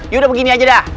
ya udah begini aja dah